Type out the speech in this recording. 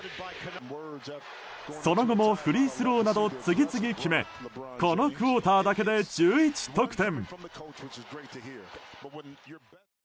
その後も、フリースローなど次々決めこのクオーターだけでも１１得点。